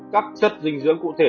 các chất dinh dưỡng cụ thể